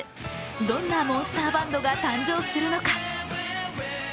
どんなモンスターバンドが誕生するのか。